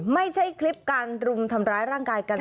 ไม่ใช่คลิปการรุมทำร้ายร่างกายกัน